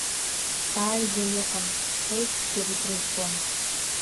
Сааигәа иҟан, схеиԥшгьы рыгәра згон.